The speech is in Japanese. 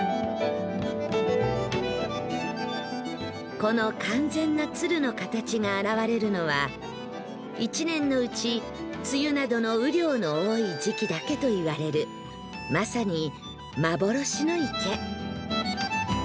この完全な鶴の形が現れるのは１年のうち梅雨などの雨量の多い時期だけといわれるまさに幻の池